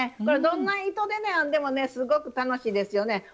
これどんな糸で編んでもすごく楽しいですよね。